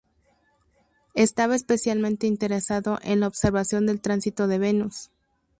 Estaba especialmente interesado en la observación del tránsito de Venus.